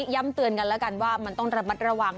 ย้ำเตือนกันแล้วกันว่ามันต้องระมัดระวัง